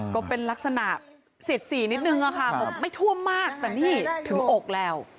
ก็เป็นลักษณะสิดสีนิดหนึ่งไม่ทรวมมากแต่นี่ถึงอกแล้ว